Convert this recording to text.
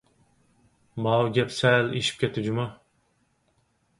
ماۋۇ گەپ سەل ئېشىپ كەتتى جۇمۇ!